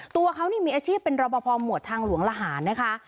ตัวเขานี่มีอาชีพเป็นรอปภหมวดทางหลวงละหารนะคะ